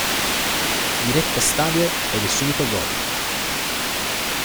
Diretta stadio... ed è subito goal!